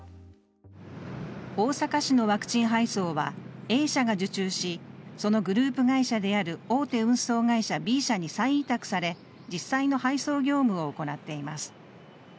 大阪市のワクチン配送はＡ社が受注し、そのグループ会社である大手運送会社Ｂ社に再委託され実際の配送業務を行っています。